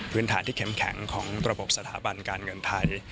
ฐานที่เข้มแข็งของระบบสถาบันการเงินไทย